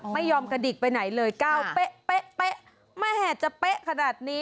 ไม่ยอมกระดิกไปไหนเลยก้าวเป๊ะแม่จะเป๊ะขนาดนี้